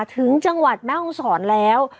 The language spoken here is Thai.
ถึงจังหวัดแม่ห้องศรแล้ว